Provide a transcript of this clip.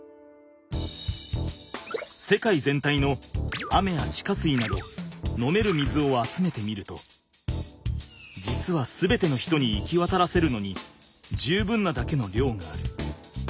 世界全体の雨や地下水など飲める水を集めてみると実は全ての人に行きわたらせるのに十分なだけの量がある。